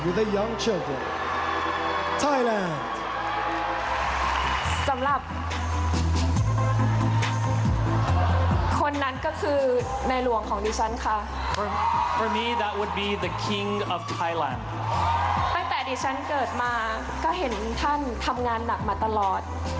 ตั้งแต่ดิฉันเกิดมาก็เห็นท่านทำงานหนักมาตลอด